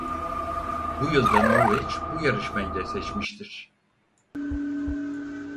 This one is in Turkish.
Bu yıl da Norveç bu yarışma ile seçmiştir.